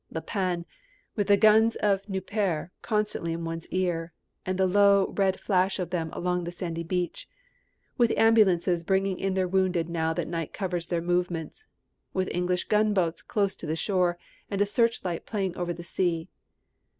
La Panne, with the guns of Nieuport constantly in one's ears, and the low, red flash of them along the sandy beach; with ambulances bringing in their wounded now that night covers their movements; with English gunboats close to the shore and a searchlight playing over the sea.